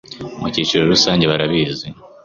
mu cyiciro rusange barabizi